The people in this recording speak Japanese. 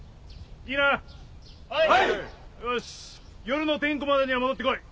夜の点呼までには戻ってこい。